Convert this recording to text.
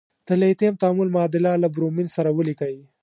د لیتیم تعامل معادله له برومین سره ولیکئ.